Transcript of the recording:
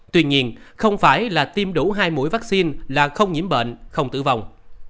tuy nhiên không phải là tiêm đủ hai mũi vaccine là không nhiễm bệnh không tử vong